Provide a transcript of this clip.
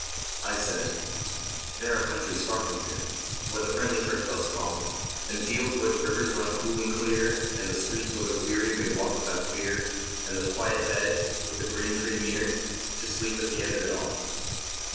I said: There are countries far from here Where the friendly church bells call, And fields where the rivers run cool and clear, And streets where the weary may walk without fear, And a quiet bed, with a green tree near, To sleep at the end of it all.